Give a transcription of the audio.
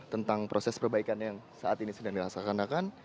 tentang proses perbaikan yang saat ini sedang dilaksanakan